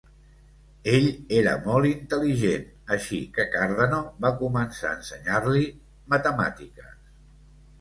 Ell era molt intel·ligent, així que Cardano va començar a ensenyar-li matemàtiques.